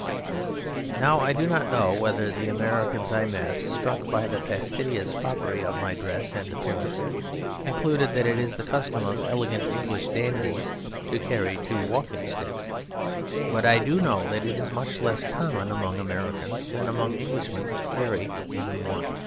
Now, I do not know whether the Americans I met, struck by the fastidious foppery of my dress and appearance, concluded that it is the custom of elegant English dandies to carry two walking sticks. But I do know that it is much less common among Americans than among Englishmen to carry even one.